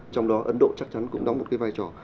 trong đó ấn độ chắc chắn cũng đóng một cái vai trò